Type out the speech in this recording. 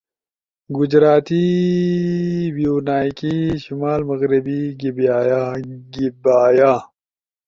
گجراتی، ویونائیکی، شمال مغری گیبایا